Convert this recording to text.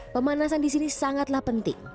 pemanasan disini sangatlah penting